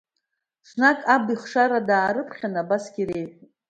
Ҽнак, аб ихшара даарыԥхьан, абасгьы реиҳәеит…